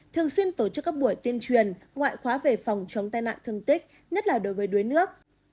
thường xuyên tổ chức các buổi tuyên truyền ngoại khóa về phòng chống tai nạn thương tích nhất là đối với đuối nước